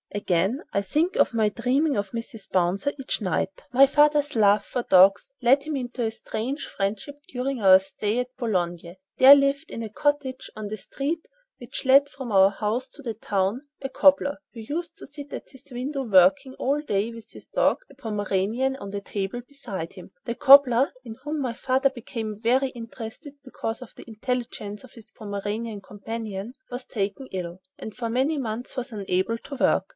Again: "Think of my dreaming of 'Mrs. Bouncer,' each night!!!" My father's love for dogs led him into a strange friendship during our stay at Boulogne. There lived in a cottage on the street which led from our house to the town, a cobbler who used to sit at his window working all day with his dog—a Pomeranian—on the table beside him. The cobbler, in whom my father became very much interested because of the intelligence of his Pomeranian companion, was taken ill, and for many months was unable to work.